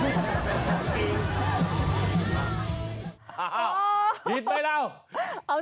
อ้าวหิดไปแล้ว